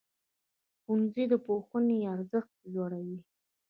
ښوونځی د پوهنې ارزښت لوړوي.